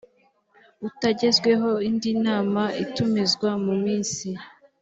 utagezweho indi nama itumizwa mu minsi